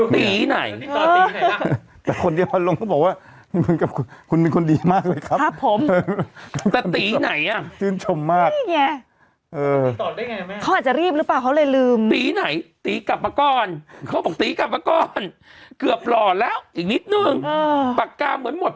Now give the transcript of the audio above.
พี่หนุ่มผมไม่ไหวแล้วพี่หนุ่มผมไม่ไหวแล้วพี่อัดเป็นอะไรวะ